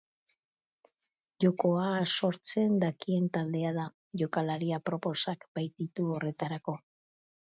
Jokoa sortzen dakien taldea da, jokalari aproposak baititu horretarako.